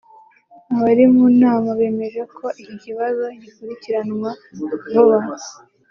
abari mu nama bemeje ko iki kibazo gikurikiranwa vuba